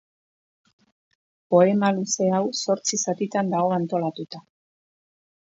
Poema luze hau zortzi zatitan dago antolatuta.